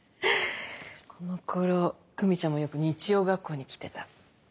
このころ久美ちゃんもよく日曜学校に来てた。